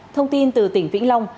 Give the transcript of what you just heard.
thông tin từ tỉnh vĩnh long